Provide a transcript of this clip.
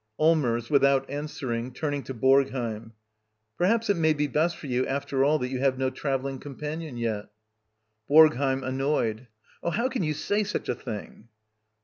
Allmers. [Without answering, turning to vBorgheim.] Perhaps it may be best for you, after all, that you have no travelling companion yet. BoRGHEiM. [Annoyed.] Oh, how can you say such a thing?